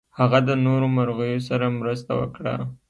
هغه د نورو مرغیو سره مرسته وکړه.